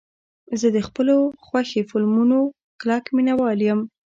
زه د خپلو خوښې فلمونو کلک مینهوال یم.